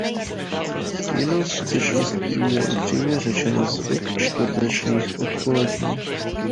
Jinou skutečností je, upřímně řečeno, zvyk čtvrtečních odpolední.